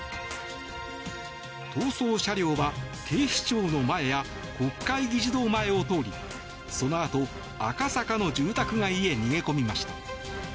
逃走車両は警視庁の前や国会議事堂前を通りそのあと赤坂の住宅街へ逃げ込みました。